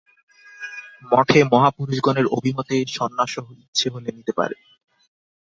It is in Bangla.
মঠে মহাপুরুষগণের অভিমতে সন্ন্যাসও ইচ্ছে হলে নিতে পারবে।